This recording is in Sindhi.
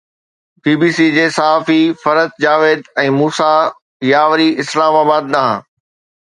بي بي سي جي صحافين فرحت جاويد ۽ موسيٰ ياوري، اسلام آباد ڏانهن